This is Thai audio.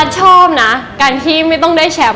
ชอบนะการที่ไม่ต้องได้แชมป์